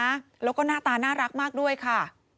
แล้วก็หน้าตาน่ารักมากด้วยค่ะ